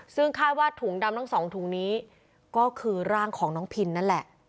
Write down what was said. ซึ่งคาดว่าถุงดำทั้งสองถุงนี้ก็คือร่างของน้องพินนั่นแหละ